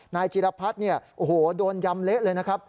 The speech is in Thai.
นายจีรพรรดิโดนยำเละเลยนะครับ